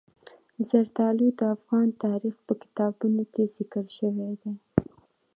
زردالو د افغان تاریخ په کتابونو کې ذکر شوی دي.